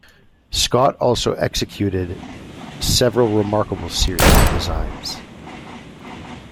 Scott also executed several remarkable series of designs.